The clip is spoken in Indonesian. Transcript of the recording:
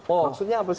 maksudnya apa sih